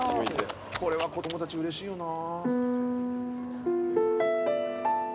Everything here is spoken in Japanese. これは子供たちうれしいよな。